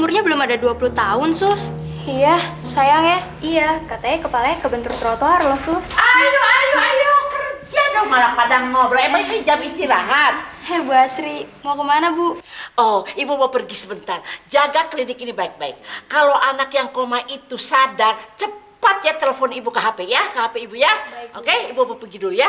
oh ya kalau uang aku udah cukup